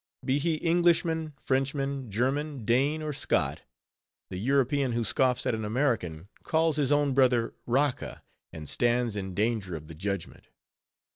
Be he Englishman, Frenchman, German, Dane, or Scot; the European who scoffs at an American, calls his own brother Raca, and stands in danger of the judgment.